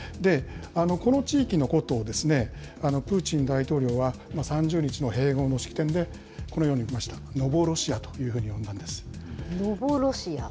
この地域のことを、プーチン大統領は３０日の併合の式典で、このように述べました、ノボロシアというふうに呼んだんです。